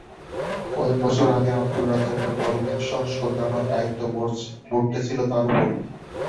কয়েক বছর আগে আবদুর রাজ্জাকের বোলিং অ্যাকশন শোধরানোর দায়িত্ব বর্তেছিল তাঁর ওপর।